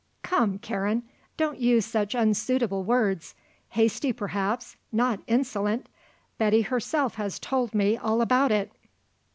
"Come, Karen; don't use such unsuitable words. Hasty perhaps; not insolent. Betty herself has told me all about it."